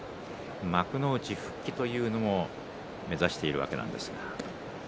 幕内復帰というのも目指しているわけです。